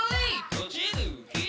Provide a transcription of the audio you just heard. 閉じる左！